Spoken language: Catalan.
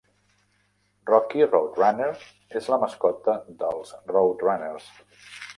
Rocky RoadRunner és la mascota dels RoadRunners.